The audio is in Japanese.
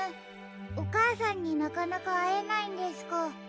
おかあさんになかなかあえないんですか。